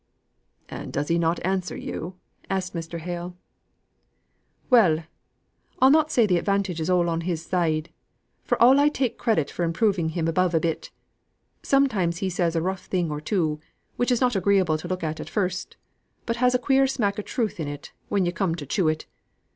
"And does he not answer you," asked Mr. Hale. "Well! I'll not say th' advantage is all on his side, for all I take credit for improving him above a bit. Sometimes he says a rough thing or two, which is not agreeable to look at at first, but has a queer smack o' truth in it when yo' come to chew it.